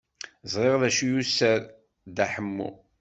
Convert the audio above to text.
Ẓriɣ d acu yuser Dda Ḥemmu.